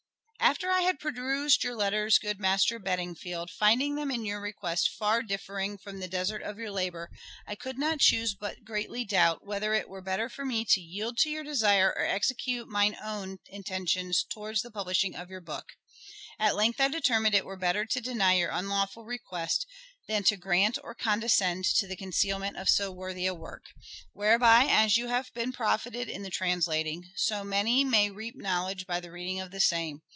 " After I had perused your letters, good Master The Bedingfield, finding in them your request far differing ietter. from the desert of your labour, I could not choose but greatly doubt, whether it were better for me to yield to your desire or execute mine own intention towards the publishing of your book. ..." At length I determined it were better to deny your unlawful request, than to grant or condescend to the concealment of so worthy a work. Whereby, as you have been profitted in the translating, so many may reap knowledge by the reading of the same.